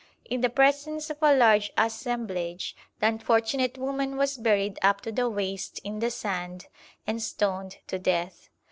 In the presence of a large assemblage, the unfortunate woman was buried up to the waist in the sand and stoned to death.